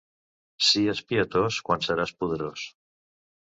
Sies pietós quan seràs poderós.